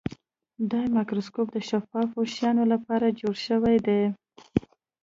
دا مایکروسکوپ د شفافو شیانو لپاره جوړ شوی دی.